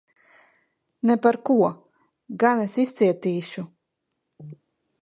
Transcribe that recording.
Ne par ko! Gan es izcietīšu.